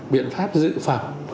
biện pháp dự phòng